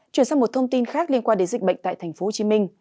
chuyển sang một thông tin khác liên quan đến dịch bệnh tại tp hcm